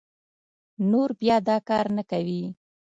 نور بيا دا کار نه کوي